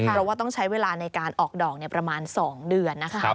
เพราะว่าต้องใช้เวลาในการออกดอกประมาณ๒เดือนนะคะ